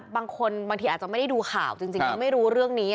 บางทีอาจจะไม่ได้ดูข่าวจริงแล้วไม่รู้เรื่องนี้